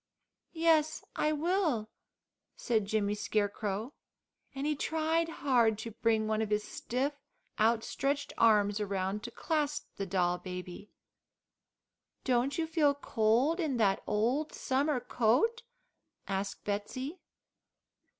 "Yes, I will," said Jimmy Scarecrow, and he tried hard to bring one of his stiff, outstretched arms around to clasp the doll baby. "Don't you feel cold in that old summer coat?" asked Betsey.